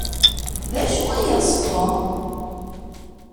D acu ay yeɣs Tom?